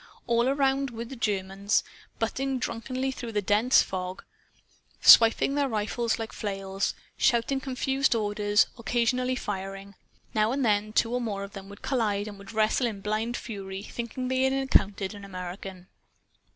All around were the Germans butting drunkenly through the blanket dense fog, swinging their rifles like flails, shouting confused orders, occasionally firing. Now and then two or more of them would collide and would wrestle in blind fury, thinking they had encountered an American.